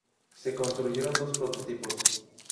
Se construyeron dos prototipos.